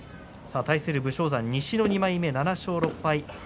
対する武将山、西の２枚目７勝６敗